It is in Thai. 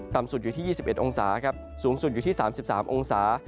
สุดอยู่ที่๒๑องศาครับสูงสุดอยู่ที่๓๓องศา